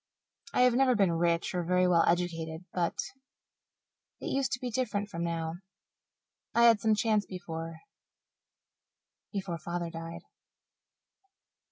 I have never been rich, or very well educated, but it used to be different from now. I had some chance before before Father died."